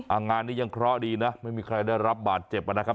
งานนี้ยังเคราะห์ดีนะไม่มีใครได้รับบาดเจ็บนะครับ